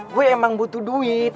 gue emang butuh duit